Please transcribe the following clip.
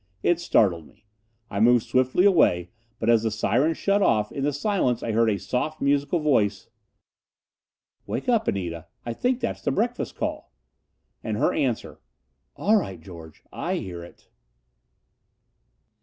It startled me. I moved swiftly away. But as the siren shut off, in the silence I heard a soft, musical voice: "Wake up, Anita I think that's the breakfast call." And her answer: "All right, George. I hear it."